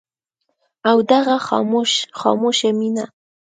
او دغه خاموشه مينه